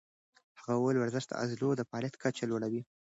هغې وویل ورزش د عضلو د فعالیت کچه لوړوي.